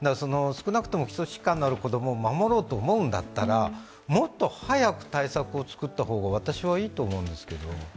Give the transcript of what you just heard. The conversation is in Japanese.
少なくとも基礎疾患のある子供を守ろうと思うんだったら、もっと早く対策を作った方がいいと思うんですけれども。